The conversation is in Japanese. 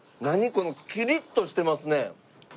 このキリッとしてますね。